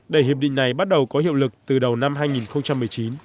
để hiệp định này bắt đầu có hiệu lực từ đầu năm hai nghìn một mươi chín